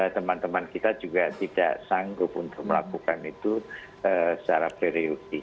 teman teman kita juga tidak sanggup untuk melakukan itu secara periodik